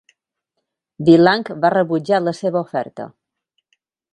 Vilanch va rebutjar la seva oferta.